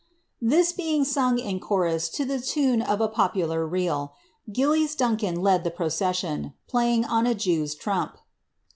This being sung in chorus to the tune of a popular reel. Gillies Duncan led the procession, playing on a Jew's trump."